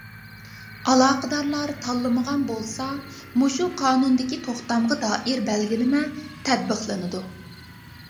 ئالاقىدارلار تاللىمىغان بولسا، مۇشۇ قانۇندىكى توختامغا دائىر بەلگىلىمە تەتبىقلىنىدۇ.